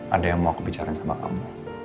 ada yang mau aku bicarain sama kamu